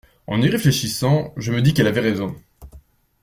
En y réfléchissant, je me dis qu'elle avait raison.